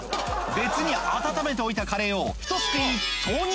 別に温めておいたカレーをひとすくい投入！